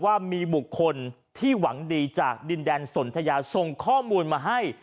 ว่ามีบุคคลที่หวังดีจากดินแดนสนทยาส่งข้อมูลมาให้